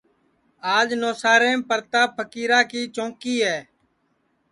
آج نوساریم پرتاپ پھکیرا کی چونٚکی ہے